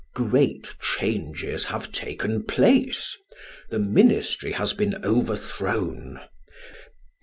Great changes have taken place. The ministry has been overthrown.